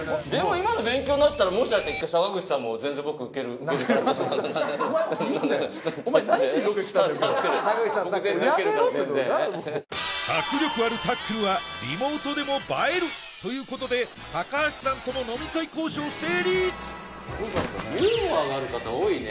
今の勉強になったらもしあれだったら全然いけるから全然やめろって迫力あるタックルはリモートでも映えるということで高橋さんとも飲み会交渉成立ユーモアがある方多いね